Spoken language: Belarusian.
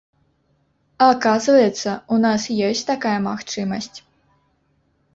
Аказваецца, у нас ёсць такая магчымасць!